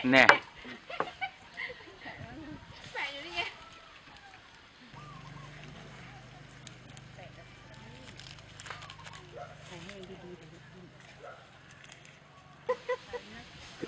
๓๖หรอ